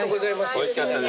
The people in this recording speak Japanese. おいしかったです。